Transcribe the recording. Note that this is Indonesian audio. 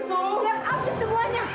biar habis semuanya